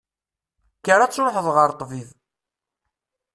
Kker ad truḥeḍ ɣer ṭṭbib.